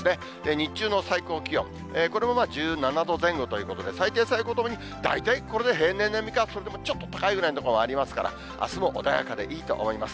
日中の最高気温、これも１７度前後ということで、最低、最高ともに大体これで平年並みか、それでもちょっと高いぐらいの所ありますから、あすも穏やかでいいと思います。